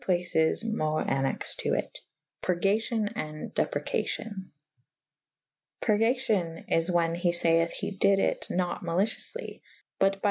places mo annexyd to it / purgacion Sz deprecacio«. Purgacion is whan he fayeth he dyd it nat malicioufly : but by ' B.